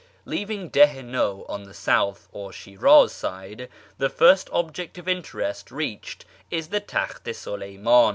Leaving Dih i Naw on the south, or Sln'raz, side, the first object of interest reached is the Takht i Sidcymdn.